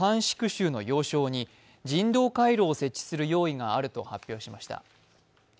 州の要衝に人道回廊を設置する用意があると発表しました。